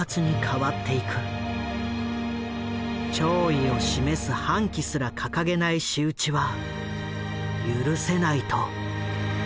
弔意を示す半旗すら掲げない仕打ちは許せないと。